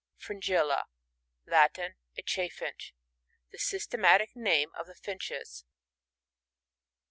Fringilla — Latin. AChufHnch. The systematic name of the Finches.